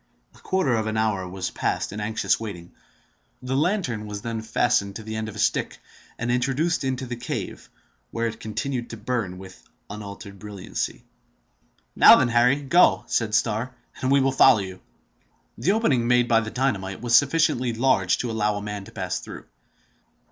A quarter of an hour was passed in anxious waiting. The lantern was then fastened to the end of a stick, and introduced into the cave, where it continued to burn with unaltered brilliancy. "Now then, Harry, go," said Starr, "and we will follow you." The opening made by the dynamite was sufficiently large to allow a man to pass through.